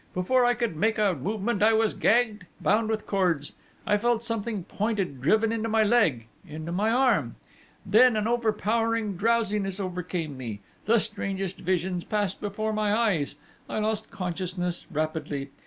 Before I could make a movement I was gagged, bound with cords.... I felt something pointed driven into my leg into my arm.... Then an overpowering drowsiness overcame me, the strangest visions passed before my eyes; I lost consciousness rapidly....